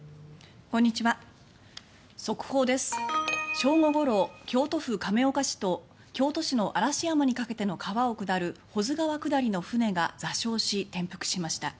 正午ごろ京都府亀岡市と京都市の嵐山にかけての川を下る保津川下りの舟が座礁し、転覆しました。